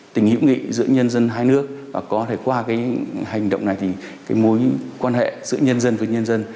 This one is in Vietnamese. tình hữu nghị giữa nhân dân hai nước và có thể qua hành động này thì mối quan hệ giữa nhân dân với nhân dân